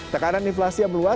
tekanan inflasi yang luas